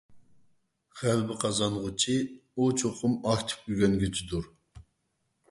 غەلىبە قازانغۇچى ئۇ چوقۇم ئاكتىپ ئۆگەنگۈچىدۇر.